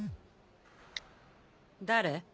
誰？